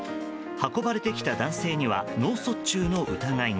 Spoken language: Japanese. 運ばれてきた男性には脳卒中の疑いが。